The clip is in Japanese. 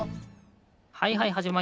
はいはいはじまりました。